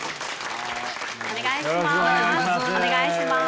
お願いします。